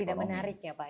tidak menarik ya pak ya